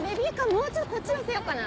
もうちょいこっち寄せようかな。